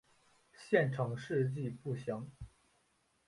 县成事迹不详。